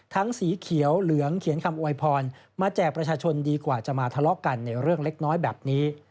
สีเขียวเหลืองเขียนคำอวยพรมาแจกประชาชนดีกว่าจะมาทะเลาะกันในเรื่องเล็กน้อยแบบนี้